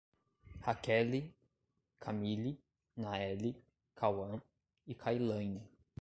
Raqueli, Kamily, Naeli, Kaun e Kailaine